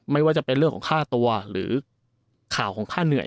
ไม่ว่าจะเป็นเรื่องของค่าตัวหรือข่าวของค่าเหนื่อย